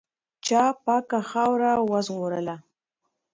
چا پاکه خاوره وژغورله؟